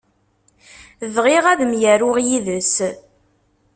Bɣiɣ ad myaruɣ yid-s.